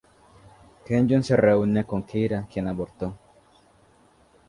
Kenyon se reúne con Kyra, quien abortó.